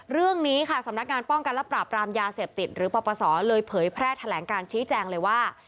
เรื่องนี้ค่ะสำนักงานป้องกันและปราบรามยาเสพติดหรือปปศเลยเผยแพร่แถลงการชี้แจงเลยว่า